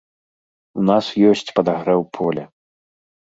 У нас ёсць падагрэў поля.